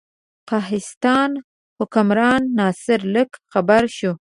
د قهستان حکمران ناصر لک خبر شو.